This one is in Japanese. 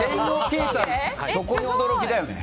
そこに驚きだよね。